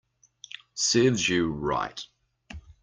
Serves you right